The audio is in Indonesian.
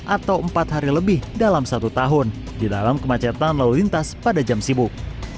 atau empat hari lebih dalam satu tahun di dalam kemacetan lalu lintas pada jam sibuk